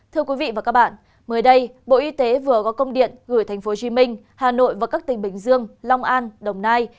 thưa quý vị và các bạn mới đây bộ y tế vừa có công điện gửi tp hcm hà nội và các tỉnh bình dương long an đồng nai